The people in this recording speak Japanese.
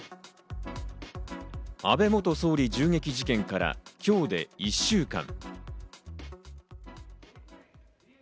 安倍元総理銃撃事件から今日で１週間。